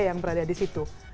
yang berada di situ